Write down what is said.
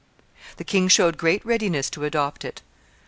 The king showed great readiness to adopt it.